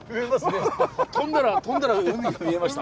跳んだら跳んだら海が見えました。